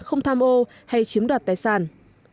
không tham ô hay chiếm đoạt tài sản